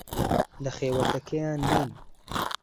لە خێوەتەکەیان نین.